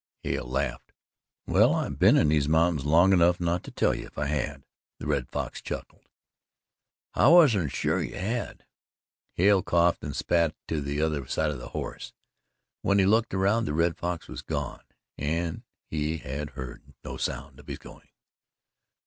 Hale laughed. "Well, I've been in these mountains long enough not to tell you, if I had." The Red Fox chuckled. "I wasn't sure you had " Hale coughed and spat to the other side of his horse. When he looked around, the Red Fox was gone, and he had heard no sound of his going.